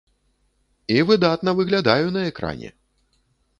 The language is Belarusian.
І выдатна выглядаю на экране!